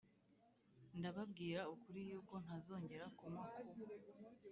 Ndababwira ukuri yuko ntazongera kunywa ku